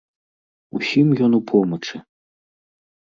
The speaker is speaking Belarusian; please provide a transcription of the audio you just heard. Усім ён у помачы.